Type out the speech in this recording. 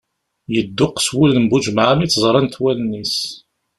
Ydduqes wul n Buǧemεa mi tt-ẓrant wallen-is.